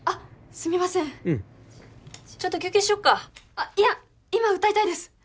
すみませんうんちょっと休憩しよっかいや今歌いたいです